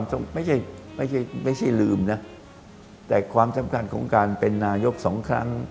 ไม่ใช่ไม่ใช่ลืมนะแต่ความสำคัญของการเป็นนายกสองครั้ง